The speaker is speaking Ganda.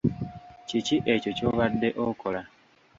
Kiki ekyo ky'obadde okola?